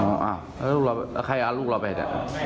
อ๋อแล้วลูกเราไปใครอาจลูกเราไปเนี่ย